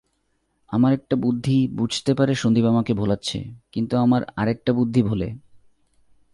আমার একটা বুদ্ধি বুঝতে পারে সন্দীপ আমাকে ভোলাচ্ছে, কিন্তু আমার আর-একটা বুদ্ধি ভোলে।